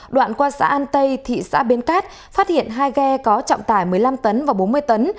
đoạn qua xã an tây thị xã biên cát phát hiện hai ghe có trọng tải một mươi năm tấn và bốn mươi tấn